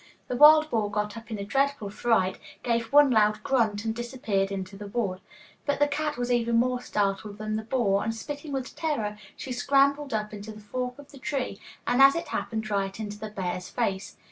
The wild boar got up in a dreadful fright, gave one loud grunt and disappeared into the wood. But the cat was even more startled than the boar, and, spitting with terror, she scrambled up into the fork of the tree, and as it happened right into the bear's face.